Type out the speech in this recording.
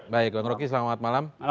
baik bang roky selamat malam